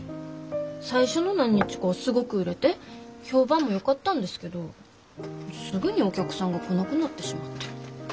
最初の何日かはすごく売れて評判もよかったんですけどすぐにお客さんが来なくなってしまって。